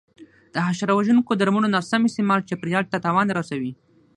د حشره وژونکو درملو ناسم استعمال چاپېریال ته تاوان رسوي.